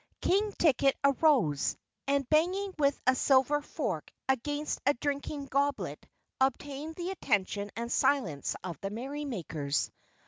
King Ticket arose and, banging with a silver fork against a drinking goblet, obtained the attention and silence of the merrymakers.